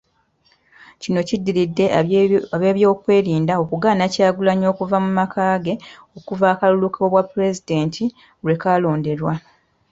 Kino kiddiridde ab'ebyokwerinda okugaana Kyagulanyi okuva mu maka ge okuva akalulu k'obwapulezidenti lwe kalondebwa.